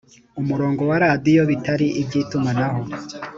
umurongo wa radiyo bitari iby’itumanaho